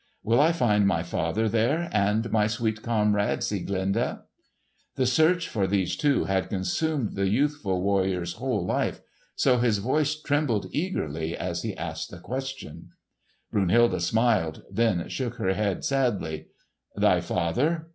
"Will I find my father there, and my sweet comrade Sieglinde?" The search for these two had consumed the youthful warrior's whole life, so his voice trembled eagerly as he asked this question. Brunhilde smiled, then shook her head sadly. "Thy father?